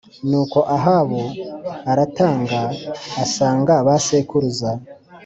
Nuko Ahabu aratanga asanga ba sekuruza